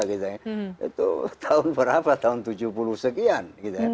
itu tahun berapa tahun tujuh puluh sekian